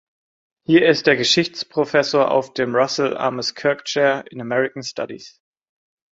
Hier ist er Geschichtsprofessor auf dem Russel Amos Kirk Chair in American Studies.